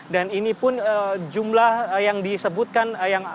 dan ini pun jumlah yang disebutkan